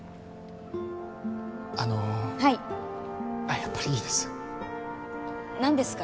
あのはいあっやっぱりいいです何ですか？